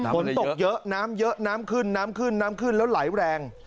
ฝนตกเยอะน้ำเยอะน้ำขึ้นน้ำขึ้นน้ำขึ้นแล้วไหลแรง